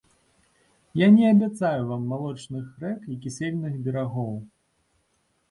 Я не абяцаю вам малочных рэк і кісельных берагоў.